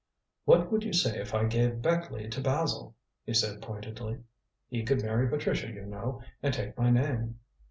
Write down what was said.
"What would you say if I gave Beckleigh to Basil?" he asked pointedly. "He could marry Patricia, you know, and take my name."